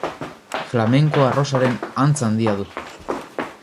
Flamenko arrosaren antz handia du.